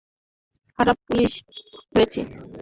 খারাপ পুলিশ হয়েছি।